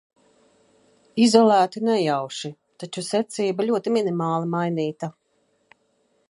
Izlozēti nejauši, taču secība ļoti minimāli mainīta.